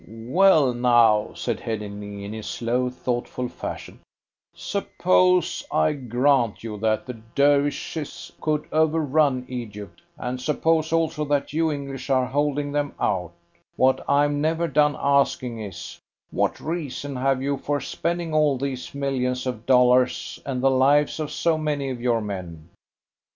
"Well now," said Headingly, in his slow, thoughtful fashion, "suppose I grant you that the Dervishes could overrun Egypt, and suppose also that you English are holding them out, what I'm never done asking is, what reason have you for spending all these millions of dollars and the lives of so many of your men?